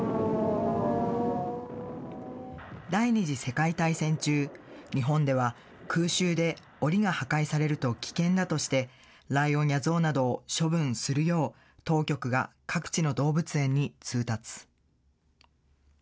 第２次世界大戦中、日本では、空襲でおりが破壊されると危険だとして、ライオンやゾウなどを処分するよう、当局が各地の動物園に通達。